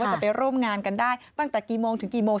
จะไปร่วมงานกันได้ตั้งแต่กี่โมงถึงกี่โมง